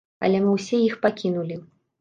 Але мы ўсе іх пакінулі.